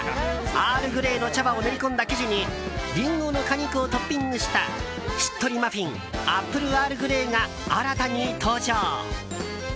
アールグレイの茶葉を練り込んだ生地にリンゴの果肉をトッピングしたしっとりマフィンアップルアールグレイが新たに登場。